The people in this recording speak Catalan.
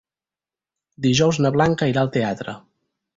Dijous na Blanca irà al teatre.